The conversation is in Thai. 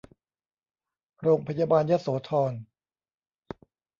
โรงพยาบาลยโสธร